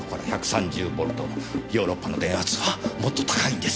ヨーロッパの電圧はもっと高いんですよ。